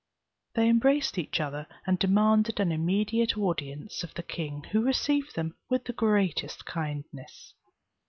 They embraced each other, and demanded an immediate audience of the king, who received them with the greatest kindness.